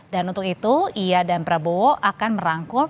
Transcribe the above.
dan untuk itu ia dan prabowo akan merangkul